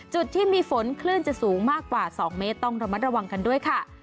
จุดที่มีฝนคลื่นจะสูงมากกว่า๒เมตรต้องระมัดระวังกันด้วยค่ะ